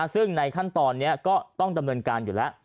ซึ่งในขั้นตอนนี้ก็ต้องดำเนินการอยู่แล้ว